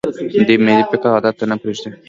دوی ملي فکر او وحدت ته نه پرېږدي.